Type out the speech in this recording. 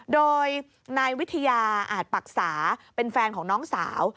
โดยนายวิทยาอาจปรักษาเป็นแฟนของน้องสาว